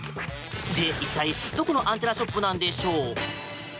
一体、どこのアンテナショップなのでしょう？